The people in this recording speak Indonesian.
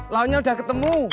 launya udah ketemu